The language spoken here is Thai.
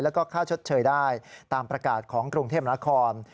แล้วก็ค่าชดเชยได้ตามประกาศของกรุงเทพนคร